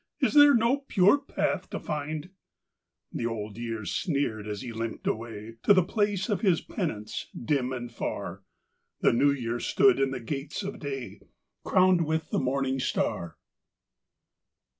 Is there no pure path to find? " The Old Year sneered as he limped away To the place of his penance dim and far. The New Year stood in the gates of day, Crowned with the morning star.